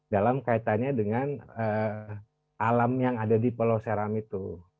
dalam kaitannya dengan alam yang ada di pulau seram itu